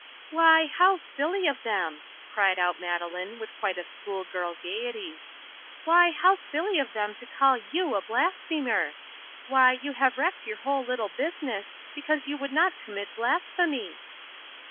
"Why, how silly of them," cried out Madeleine, with quite a schoolgirl gaiety, "why, how silly of them to call you a blasphemer! Why, you have wrecked your whole business because you would not commit blasphemy."